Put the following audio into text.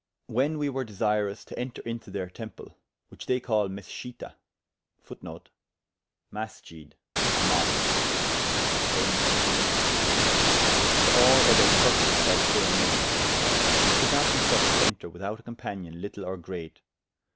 When wee were desirous to enter into theyr Temple (which they call Meschita,[FN#11] and all other churches by the same name), we coulde not be suffered to enter without a companion little or great.